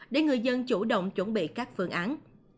để người dân chủ động chuẩn bị các phương án